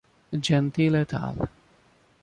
Gentil et al.